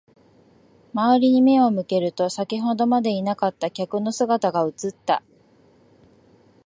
周りに目を向けると、先ほどまでいなかった客の姿が映った。